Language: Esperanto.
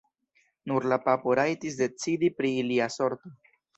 Nur la papo rajtis decidi pri ilia sorto.